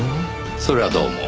それはどうも。